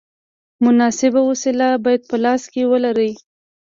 مناسبه وسیله باید په لاس کې ولرې.